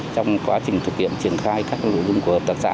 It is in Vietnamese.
trong quá trình thực hiện triển khai các hợp tác xã